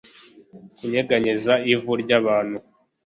Kunyeganyeza ivu ryabantu